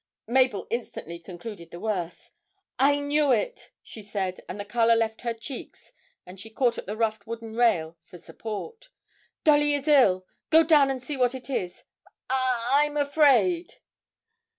Mabel instantly concluded the worst. 'I knew it,' she said, and the colour left her cheeks and she caught at the rough wooden rail for support. 'Dolly is ill.... Go down and see what it is.... I'm afraid!'